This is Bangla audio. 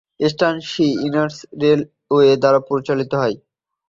স্টেশনটি ইস্টার্ন রেলওয়ে দ্বারা পরিচালিত হয়।